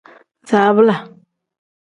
Zabiila.